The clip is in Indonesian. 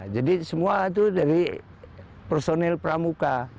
jadi semua itu dari personil pramuka